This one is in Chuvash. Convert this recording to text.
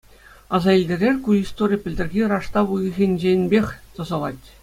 Аса илтерер, ку истори пӗлтӗрхи раштав уйӑхӗнченпех тӑсӑлать.